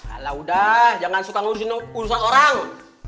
alah udah jangan suka ngurusin urusan orang